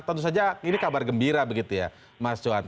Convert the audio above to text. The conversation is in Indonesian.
tentu saja ini kabar gembira begitu ya mas johan